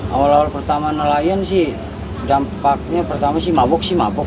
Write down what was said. awal awal pertama nelayan sih dampaknya pertama sih mabuk sih mapok